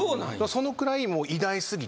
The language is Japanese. そのくらい偉大すぎて。